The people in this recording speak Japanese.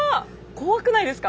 怖くないですか？